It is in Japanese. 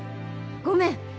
ごめん！